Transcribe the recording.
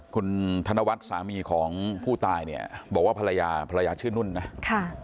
คุณธนวัฒน์สามีของผู้ตายเนี่ยบอกว่าภรรยาภรรยาชื่อนุ่นนะค่ะ